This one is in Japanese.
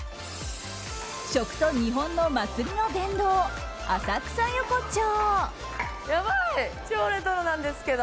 食と日本の祭りの殿堂、浅草横町。